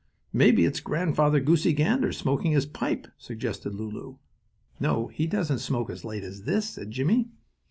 "Maybe it's Grandfather Goosey Gander smoking his pipe," suggested Lulu. "No, he doesn't smoke as late as this," said Jimmie.